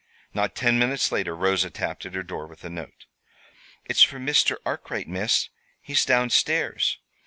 Not ten minutes later Rosa tapped at her door with a note. "It's from Mr. Arkwright, Miss. He's downstairs."